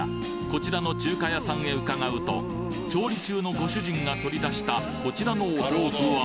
こちらの中華屋さんへ伺うと料理中のご主人が取り出したこちらのお豆腐は？